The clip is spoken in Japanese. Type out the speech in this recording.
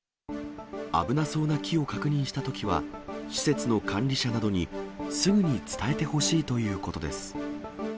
危なそうな木を確認したときは、施設の管理者などにすぐに伝えてほしいということです。